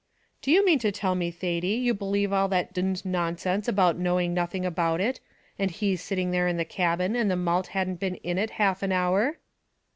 "Do you mean to tell me, Thady, you believe all that d d nonsense about knowing nothing about it; and he sitting there in the cabin, and the malt hadn't been in it half an hour?"